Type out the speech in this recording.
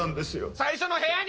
最初の部屋に。